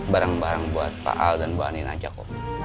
bareng bareng buat pak al dan bu andin aja kok